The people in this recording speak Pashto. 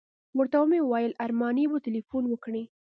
ورته ومې ویل ارماني به تیلفون وکړي.